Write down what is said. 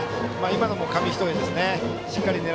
今のも紙一重ですね。